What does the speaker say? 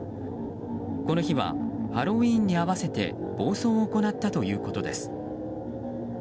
この日はハロウィーンに合わせて暴走を行ったということです。